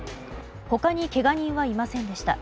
他にけが人はいませんでした。